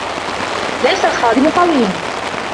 لَيْسَ الْخَادِمُ قَوِيَّا.